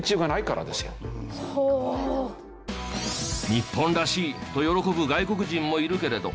日本らしいと喜ぶ外国人もいるけれど。